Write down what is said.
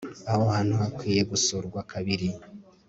Aho hantu hakwiye gusurwa kabiri